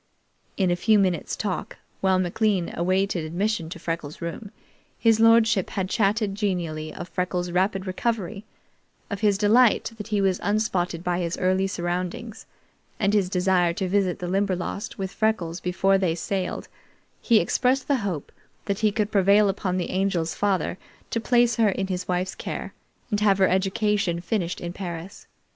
In a few minutes' talk, while McLean awaited admission to Freckles' room, his lordship had chatted genially of Freckles' rapid recovery, of his delight that he was unspotted by his early surroundings, and his desire to visit the Limberlost with Freckles before they sailed; he expressed the hope that he could prevail upon the Angel's father to place her in his wife's care and have her education finished in Paris.